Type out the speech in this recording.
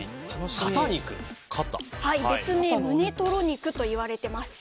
別名むねトロといわれています。